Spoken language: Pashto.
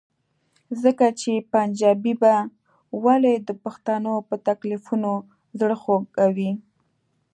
ځکه چې پنجابی به ولې د پښتنو په تکلیفونو زړه خوږوي؟